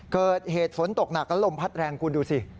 เกิดเหตุฝนตกหนักและลมพัดแรงคุณดูสิ